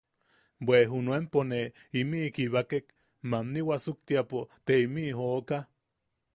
Bwe junuenpo ne imiʼi kibakek... mammni wasuktiapo te imiʼi jooka.